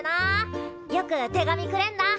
よく手紙くれんだ。